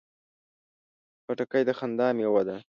خټکی د خندا مېوه ده.